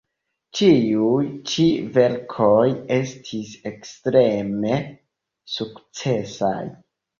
Ĉiuj ĉi verkoj estis ekstreme sukcesaj.